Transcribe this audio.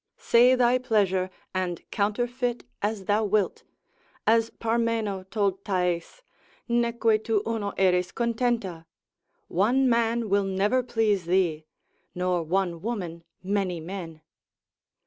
Say thy pleasure, and counterfeit as thou wilt, as Parmeno told Thais, Neque tu uno eris contenta, one man will never please thee; nor one woman many men.